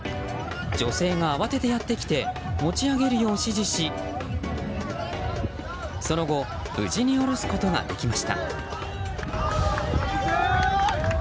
女性が慌ててやって来て持ち上げるよう指示しその後、無事に下ろすことができました。